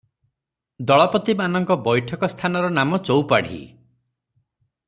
ଦଳପତିମାନଙ୍କ ବୈଠକ ସ୍ଥାନର ନାମ ଚୌପାଢ଼ୀ ।